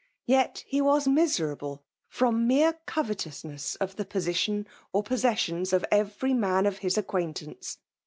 Yet he was miserable ; from tnere cd^etoosness of the position or possessions of every maxi of his acquaintance!